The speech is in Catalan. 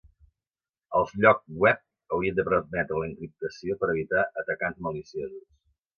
Els lloc web haurien de permetre l'encriptació per evitar atacants maliciosos.